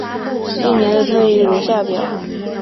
近年的推移如下表。